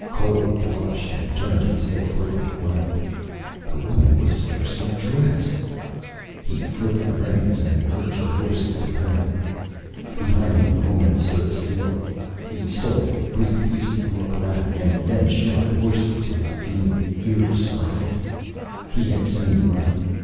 Cole blushed and turned his head quickly away. The woman was scarcely dressed! He flicked the reins and urged the horses to hurry. Behind him, the woman still stood. He stole a brief, hasty look back and then shouted hoarsely to his team, ears scarlet. He had seen right.